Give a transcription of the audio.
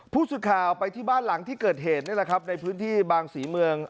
ผู้สื่อข่าวไปที่บ้านหลังที่เกิดเหตุนี่แหละครับในพื้นที่บางศรีเมือง